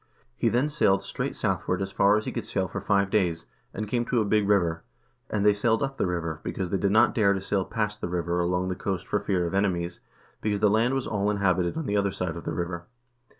1 He then sailed straight southward as far as he could sail for five days, and came to a big river ; 2 and they sailed up the river, because they did not dare to sail past the river along the coast for fear of enemies, because the land was all inhabited on the other side of the river.